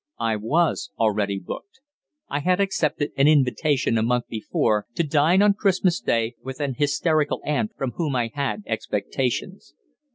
I was "already booked." I had accepted an invitation a month before to dine on Christmas Day with an hysterical aunt from whom I had expectations.